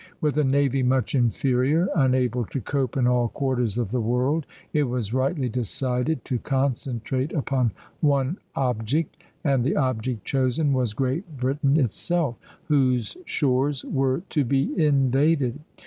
With a navy much inferior, unable to cope in all quarters of the world, it was rightly decided to concentrate upon one object; and the object chosen was Great Britain itself, whose shores were to be invaded.